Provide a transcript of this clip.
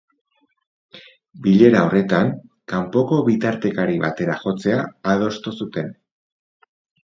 Bilera horretan, kanpoko bitartekari batera jotzea adostu zuten.